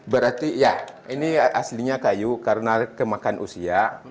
berarti ya ini aslinya kayu karena kemakan usia